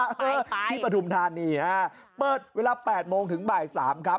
ไปที่ประทุมธานนี้ฮะเปิดเวลา๘โมงถึงบ่าย๓ครับ